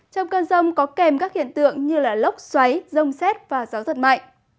trong cơn rông có kèm các hiện tượng như lốc xoáy rông xét và gió giật mạnh